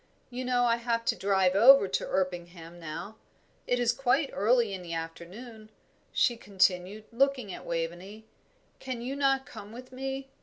You know I have to drive over to Erpingham now. It is quite early in the afternoon," she continued, looking at Waveney. "Can you not come with me?